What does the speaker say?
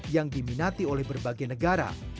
yang diminati oleh berbagai negara